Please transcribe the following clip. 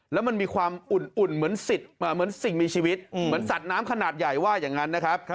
แล้วมันมีความอุ่นเหมือนสิ่งมีชีวิตเหมือนสัตว์น้ำขนาดใหญ่ว่าอย่างนั้นนะครับ